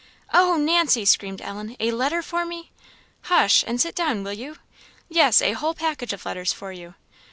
" "Oh, Nancy!" screamed Ellen "a letter for me?" "Hush! and sit down, will you? yes, a whole package of letters for you.